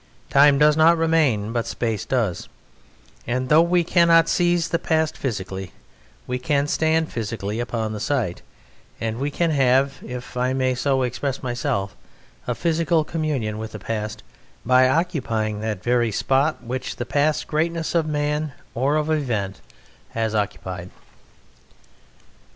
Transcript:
Time does not remain, but space does, and though we cannot seize the Past physically we can stand physically upon the site, and we can have (if I may so express myself) a physical communion with the Past by occupying that very spot which the past greatness of man or of event has occupied.